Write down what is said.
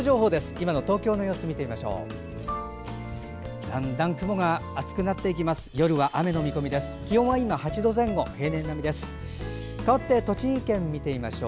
今の東京の様子を見てみましょう。